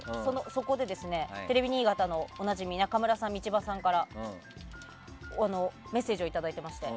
そこで、テレビ新潟でおなじみナカムラさん、ミチバさんからメッセージをいただいていまして。